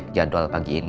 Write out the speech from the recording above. kalau nggak yakin